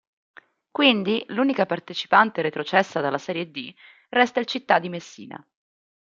Quindi l'unica partecipante retrocessa dalla Serie D resta il Città di Messina.